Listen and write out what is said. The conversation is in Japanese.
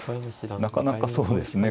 なかなかそうですね